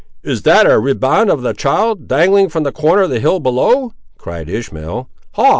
"Is that a riband of the child, dangling from the corner of the hill below?" cried Ishmael; "ha!